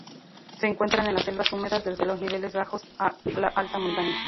Se encuentran en las selvas húmedas desde los niveles bajos a la alta montaña.